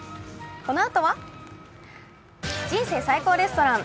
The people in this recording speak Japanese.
このあとは「人生最高レストラン」。